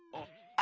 あ。